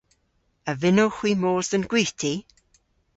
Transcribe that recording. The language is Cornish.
A vynnowgh hwi mos dhe'n gwithti?